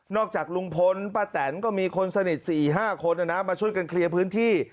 นอกจากลุงพลปะแต๋นก็มีคนสนิทสี่ห้าคนนะนะมาช่วยกันเคลียร์พื้นที่